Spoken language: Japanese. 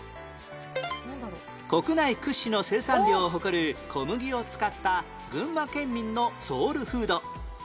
国内屈指の生産量を誇る小麦を使った群馬県民のソウルフード